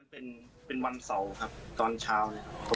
เป็นวันเสาร์ครับตอนเช้า